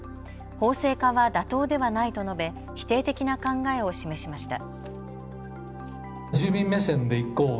法制化は妥当ではないと述べ否定的な考えを示しました。